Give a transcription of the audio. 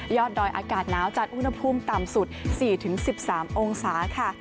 ดอยอากาศหนาวจัดอุณหภูมิต่ำสุด๔๑๓องศาค่ะ